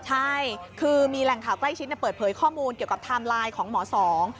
ใช่คือมีแหล่งข่าวใกล้ชิดเปิดเผยข้อมูลเกี่ยวกับไทม์ไลน์ของหมอสอง